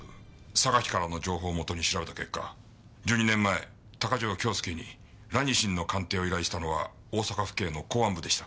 榊からの情報を元に調べた結果１２年前鷹城京介にラニシンの鑑定を依頼したのは大阪府警の公安部でした。